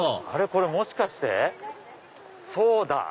もしかしてそうだ！